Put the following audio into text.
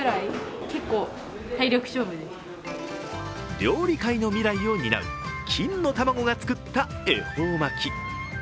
料理界の未来を担う金の卵が作った恵方巻き。